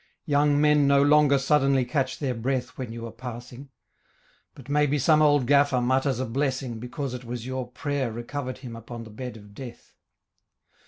Young men no longer suddenly catch their breath When you are passing; But maybe some old gaffer mutters a blessing Because it was your prayer Recovered him upon the bed of death.